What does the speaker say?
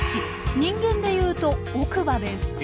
人間で言うと奥歯です。